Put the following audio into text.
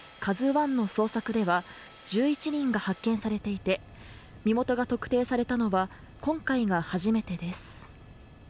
「ＫＡＺＵⅠ」の捜索では、１１人が発見されていて、身元が特定されたのは、今回が初めてです。